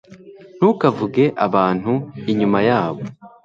Ntukavuge abantu inyuma yabo